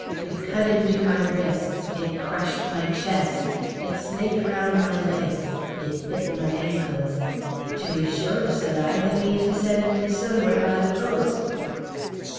It cut into my wrists, it crushed my chest, it snaked round my legs, it bit my ankles. "To be sure," said I, "they mean to send me somewhere by the post."